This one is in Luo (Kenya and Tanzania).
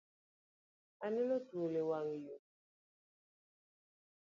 Aneno thuol e wanga yo